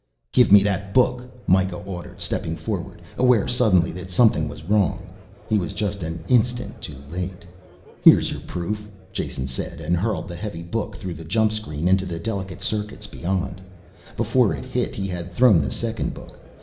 "Give me that book," Mikah ordered, stepping forward. Aware suddenly that something was wrong. He was just an instant too late. "Here's your proof," Jason said, and hurled the heavy book through the jump screen into the delicate circuits behind. Before it hit he had thrown the second book.